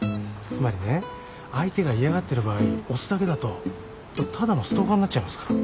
つまりね相手が嫌がってる場合押すだけだとただのストーカーになっちゃいますから。